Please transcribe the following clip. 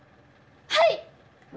はい！